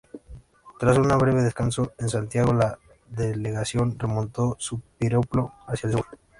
Tras un breve descanso en Santiago, la delegación retomó su periplo hacia el sur.